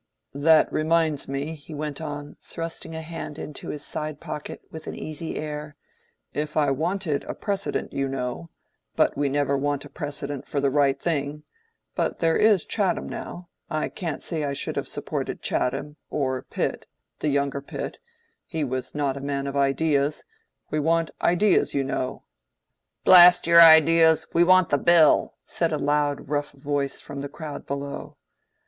"That reminds me," he went on, thrusting a hand into his side pocket, with an easy air, "if I wanted a precedent, you know—but we never want a precedent for the right thing—but there is Chatham, now; I can't say I should have supported Chatham, or Pitt, the younger Pitt—he was not a man of ideas, and we want ideas, you know." "Blast your ideas! we want the Bill," said a loud rough voice from the crowd below.